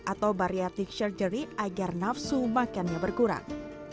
atau bariatik surgery agar nafsu makannya berkurang